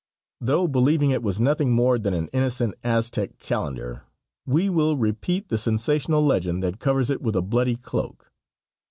Though believing it was nothing more than an innocent Aztec calendar, we will repeat the sensational legend that covers it with a bloody cloak.